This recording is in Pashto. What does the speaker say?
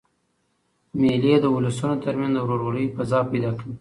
مېلې د اولسونو تر منځ د ورورولۍ فضا پیدا کوي.